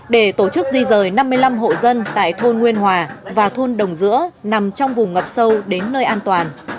để tổ chức di rời năm mươi năm hộ dân tại thôn nguyên hòa và thôn đồng giữa nằm trong vùng ngập sâu đến nơi an toàn